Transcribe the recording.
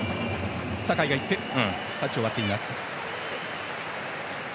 酒井が行ってタッチを割っています。